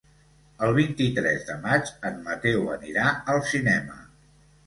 El vint-i-tres de maig en Mateu anirà al cinema.